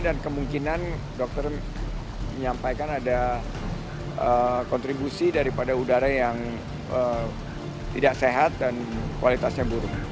dan kemungkinan dokter menyampaikan ada kontribusi daripada udara yang tidak sehat dan kualitasnya buruk